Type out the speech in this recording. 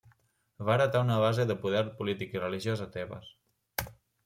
Va heretar una base de poder polític i religiós a Tebes.